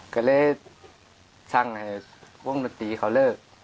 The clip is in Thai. ก็เลยสร้างให้พรวงหนุนตีเขาเล่น